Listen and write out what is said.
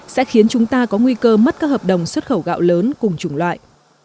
sẽ khiến chúng ta có nguy cơ mất các hợp đồng xuất khẩu gạo lớn cùng chủng loại